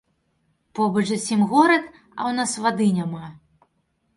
Побач зусім горад, а ў нас вады няма.